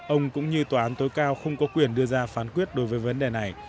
ông cũng như tòa án tối cao không có quyền đưa ra phán quyết đối với vấn đề này